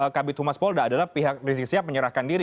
kabit humas polda adalah pihak rizik sihab menyerahkan diri